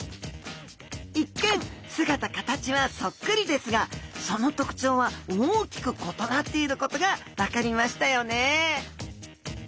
一見姿形はそっくりですがその特徴は大きく異なっていることが分かりましたよね